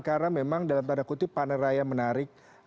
karena memang dalam tanda kutip panen raya menarik